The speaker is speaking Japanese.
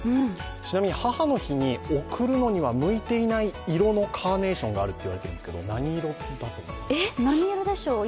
ちなみに母の日に贈るのには向いていない色のカーネーションがあると言われているんですけど何色だと思いますか？